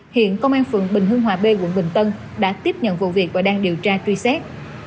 hiện công an phường bình hưng hòa b quận bình tân đã tiếp nhận vụ việc và đang điều tra truy xét